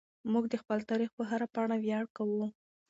موږ د خپل تاریخ په هره پاڼه ویاړ کوو.